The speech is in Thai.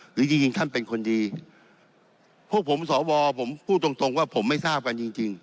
หรือจริงท่านเป็นคนดีพวกผมสวรรค์ผมพูดตรงว่าผมไม่ทราบกันจริง